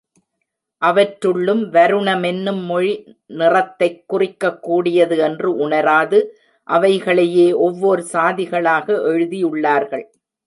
அவற்றுள்ளும் வருணமென்னும் மொழி நிறத்தைக் குறிக்கக்கூடியது என்று உணராது அவைகளையே ஒவ்வோர் சாதிகளாக எழுதியுள்ளார்கள்.